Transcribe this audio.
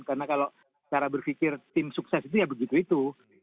karena kalau cara berpikir tim sukses itu ya begitu itu